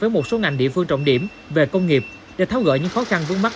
với một số ngành địa phương trọng điểm về công nghiệp để tháo gỡ những khó khăn vướng mắt